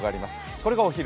これがお昼。